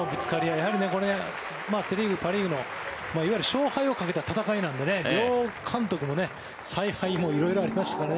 やはりこれセ・リーグ、パ・リーグのいわゆる勝敗をかけた戦いなので両監督も采配、色々ありましたね。